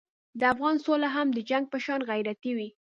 د افغان سوله هم د جنګ په شان غیرتي وي.